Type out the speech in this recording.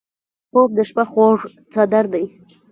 خوب د شپه خوږ څادر دی